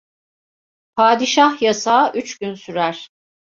Padişah yasağı üç gün sürer.